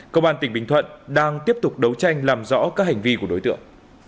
công an tỉnh bình thuận đang tiếp tục đấu tranh làm rõ các hành vi của đối tượng